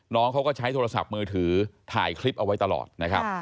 น้องเขาก็ใช้โทรศัพท์มือถือถ่ายคลิปเอาไว้ตลอดนะครับ